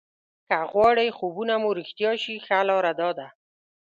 که غواړئ خوبونه مو رښتیا شي ښه لاره داده.